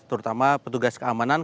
terutama petugas keamanan